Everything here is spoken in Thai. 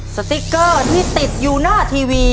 สติ๊กเกอร์ที่ติดอยู่หน้าทีวี